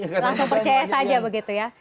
langsung percaya saja begitu ya